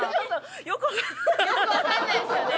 よくわかんないですよね。